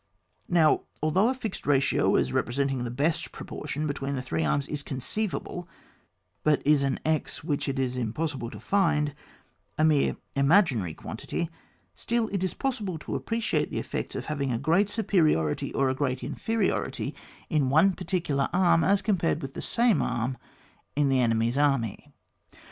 Now although a fixed ratio as repre senting the best proportion between the three arms is conceivable, but is an x which it is impossible to find, a mere imaginary quantity, still it is possible to appreciate the effects of having a great superiority or a great inferiority in one particular arm as compared with the same arm in the enemy's army.